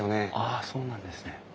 あそうなんですね。